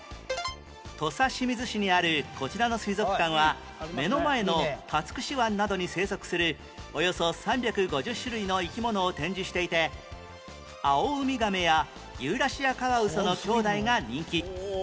土佐清水市にあるこちらの水族館は目の前の竜串湾などに生息するおよそ３５０種類の生き物を展示していてアオウミガメやユーラシアカワウソの兄弟が人気